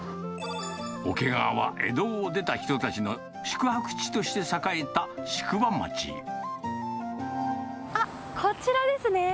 桶川は江戸を出た人の宿泊地あっ、こちらですね。